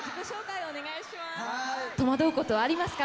戸惑うことはありますか？